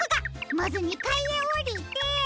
まず２かいへおりて。